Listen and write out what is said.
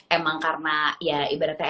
emang karena ya ibaratnya